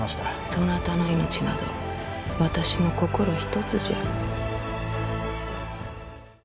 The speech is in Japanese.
そなたの命など私の心ひとつじゃ。